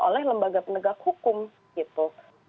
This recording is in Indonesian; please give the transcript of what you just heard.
oleh lembaga penegak hukum gitu